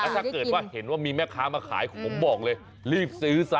ถ้าเกิดว่าเห็นว่ามีแม่ค้ามาขายผมบอกเลยรีบซื้อซะ